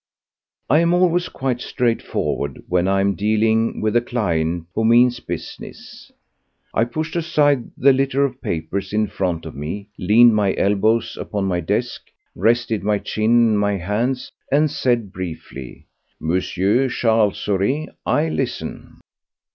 I am always quite straightforward when I am dealing with a client who means business. I pushed aside the litter of papers in front of me, leaned my elbows upon my desk, rested my chin in my hands, and said briefly: "M. Charles Saurez, I listen!"